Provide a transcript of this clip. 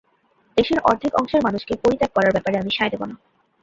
দেশের অর্ধেক অংশের মানুষকে পরিত্যাগ করার ব্যাপারে আমি সায় দেব না!